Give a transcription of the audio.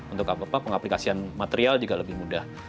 untuk pengaplikasian material juga lebih mudah